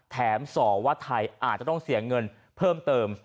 ส่อว่าไทยอาจจะต้องเสียเงินเพิ่มเติม